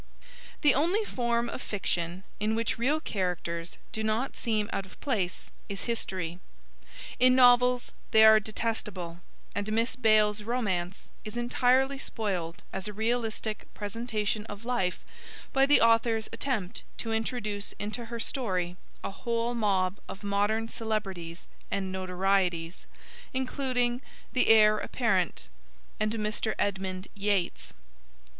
The only form of fiction in which real characters do not seem out of place is history. In novels they are detestable, and Miss Bayle's Romance is entirely spoiled as a realistic presentation of life by the author's attempt to introduce into her story a whole mob of modern celebrities and notorieties, including the Heir Apparent and Mr. Edmund Yates.